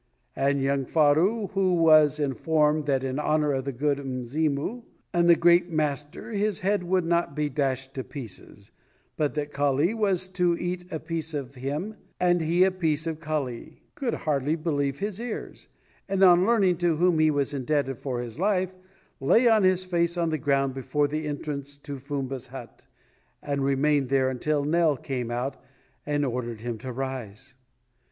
And young Faru, when he was informed that in honor of the "Good Mzimu" and the great master his head would not be dashed to pieces, but that Kali was to eat a piece of him and he a piece of Kali, could hardly believe his ears, and on learning to whom he was indebted for his life, lay on his face on the ground before the entrance to Fumba's hut, and remained there until Nell came out and ordered him to rise.